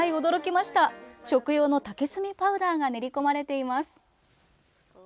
食用の竹炭パウダーが練り込まれています。